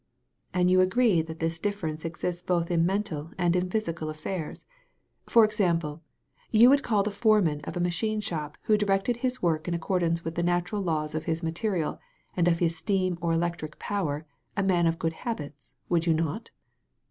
"" "Aiid you agree that this difference exists both in mental and in physical affairs? For example^ you would call the foreman of a machine shop who directed his work in accordance with the natural laws of his material and of his steam or electric power a man of good habits, would you not?"